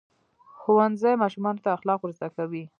ښوونځی ماشومانو ته اخلاق ورزده کوي.